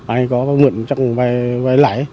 ai có vây mượn chắc cũng vây lại